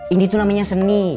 ini tuh namanya seni